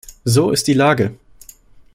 So ist die Lage!